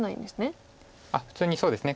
普通にそうですね。